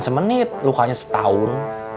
semenit lukanya setahun